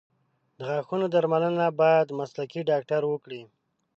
د غاښونو درملنه باید مسلکي ډاکټر وکړي.